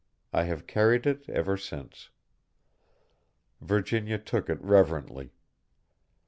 I have carried it ever since." Virginia took it reverently.